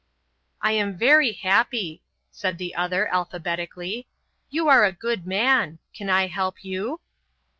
"I am very happy," said the other, alphabetically. "You are a good man. Can I help you?"